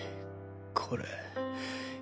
これ。